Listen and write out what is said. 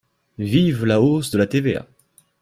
Vive la hausse de la TVA